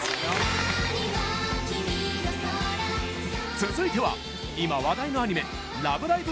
続いては今、話題のアニメ「ラブライブ！